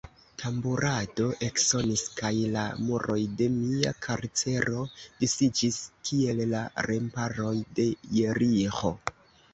Tamburado eksonis, kaj la muroj de mia karcero disiĝis, kiel la remparoj de Jeriĥo.